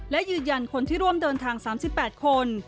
และยืนยันคนที่ร่วมเดินทาง๓๘คน